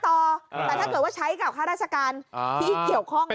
แต่ถ้าเกิดว่าใช้กับข้าราชการที่เกี่ยวข้อง